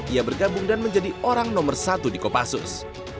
ia bergabung dan menjadi orang nomor satu di kopassus